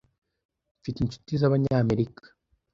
Mfite inshuti z'Abanyamerika.